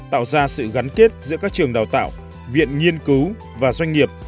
tạo ra sự gắn kết giữa các trường đào tạo viện nghiên cứu và doanh nghiệp